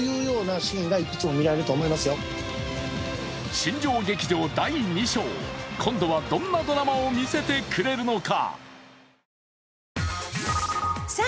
新庄劇場第２章今度はどんなドラマを見せてくれるのか。